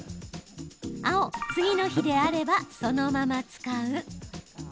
青・次の日であればそのまま使う。